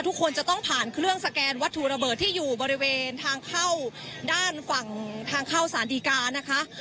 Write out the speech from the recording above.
ทุกคนจะต้องผ่านเครื่องสแกนวัตถุระเบิดที่อยู่บริเวณทางเข้าด้านฝั่งทางเข้าสารดีกานะคะ